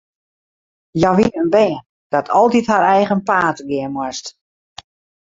Hja wie in bern dat altyd har eigen paad gean moast.